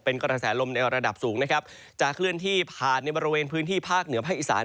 เป็นกระแสลมในระดับสูงนะครับจะเคลื่อนที่ผ่านในบริเวณพื้นที่ภาคเหนือภาคอีสาน